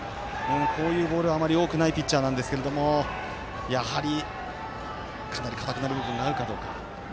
こういうボールはあまり多くないピッチャーなんですが、やはりかなり硬くなる部分があるかどうか。